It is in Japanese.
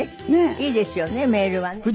いいですよねメールはね。